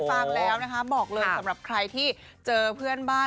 ฟังแล้วนะคะบอกเลยสำหรับใครที่เจอเพื่อนบ้าน